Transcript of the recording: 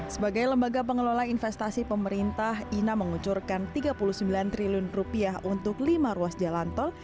sebagai lembaga pengelola investasi pemerintah ina mengucurkan rp tiga puluh sembilan triliun rupiah untuk lima ruas jalan tol